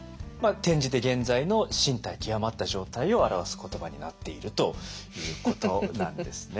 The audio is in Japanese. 転じて現在の進退窮まった状態を表す言葉になっているということなんですね。